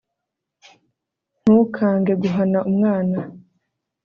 ntukange guhana umwana